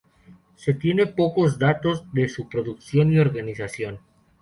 Se tienen pocos datos de su producción y organización.